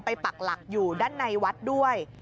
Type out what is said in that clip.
ปักหลักอยู่ด้านในวัดด้วย